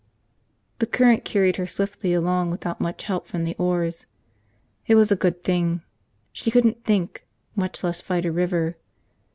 The current carried her swiftly along without much help from the oars. It was a good thing. She couldn't think, much less fight a river.